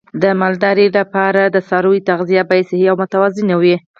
د مالدارۍ لپاره د څارویو تغذیه باید صحي او متوازنه وي.